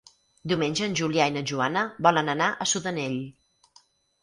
Diumenge en Julià i na Joana volen anar a Sudanell.